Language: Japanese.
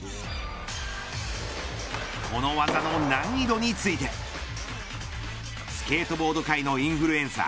この技の難易度についてスケートボード界のインフルエンサー